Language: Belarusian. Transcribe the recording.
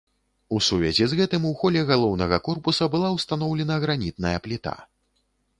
У сувязі з гэтым у холе галоўнага корпуса была ўстаноўлена гранітная пліта.